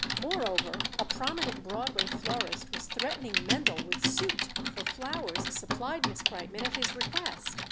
Moreover, a prominent Broadway florist was threatening Mendel with suit for flowers supplied Miss Kreitmann at his request.